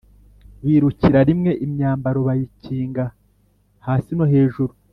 birukira rimwe imyambaro bayikinga hasi no hejuru